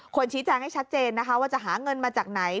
ชี้แจงให้ชัดเจนนะคะว่าจะหาเงินมาจากไหน